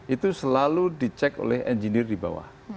itu selalu dicek oleh engineer di bawah